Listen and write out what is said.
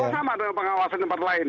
apa yang sama dengan pengawasan tempat lain